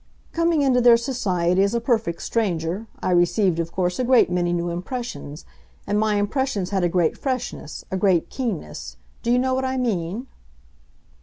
"Coming into their society as a perfect stranger I received of course a great many new impressions, and my impressions had a great freshness, a great keenness. Do you know what I mean?"